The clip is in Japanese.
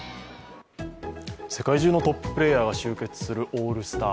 世界中のトッププレーヤーが集結するオールスター。